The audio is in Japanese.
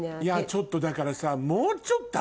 ちょっとだからさ。